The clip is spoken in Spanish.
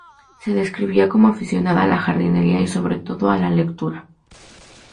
Se describía como aficionada a la jardinería y sobre todo a la lectura.